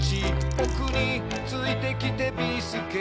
「ぼくについてきてビーすけ」